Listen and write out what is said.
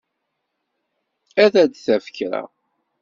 Ad d-taf kra.